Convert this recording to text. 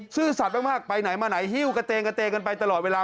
ซื่อสัตว์มากไปไหนมาไหนหิ้วกระเตงกระเตงกันไปตลอดเวลา